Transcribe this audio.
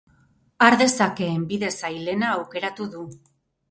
Har dezakeen bide zailena aukeratu du.